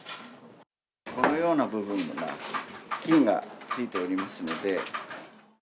このような部分には、金がついておりますので。